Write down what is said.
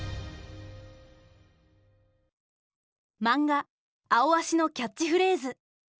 マンガ「アオアシ」のキャッチフレーズ。